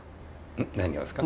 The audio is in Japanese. ん？何をですか？